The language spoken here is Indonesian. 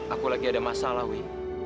aku lagi ada masalah wi